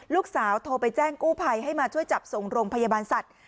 โทรไปแจ้งกู้ภัยให้มาช่วยจับส่งโรงพยาบาลสัตว์